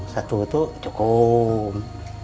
satu itu cukup